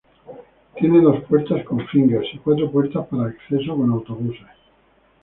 Tiene dos puertas con "fingers" y cuatro puertas para acceso con autobuses.